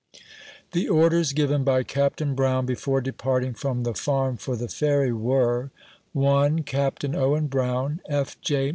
The orders given by Captain Brown, before departing from the Farm for the Ferry, were :— 1. Captain Owen Brown, F. J.